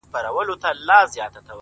كه يم اورې كه يم دلې خلگ خبري كوي.!